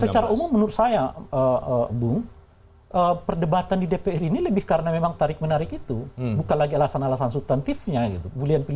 secara umum menurut saya bung perdebatan di dpr ini lebih karena memang tarik menarik itu bukan lagi alasan alasan subtantifnya gitu